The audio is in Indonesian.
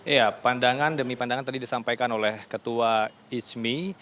ya pandangan demi pandangan tadi disampaikan oleh ketua izmi